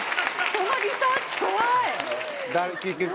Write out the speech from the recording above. そのリサーチ怖い！